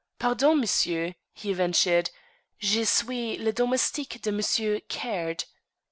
"Pardon, monsieur," he ventured. "_Je suis le domestique de Monsieur Caird.